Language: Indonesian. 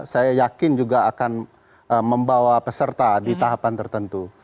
saya yakin juga akan membawa peserta di tahapan tertentu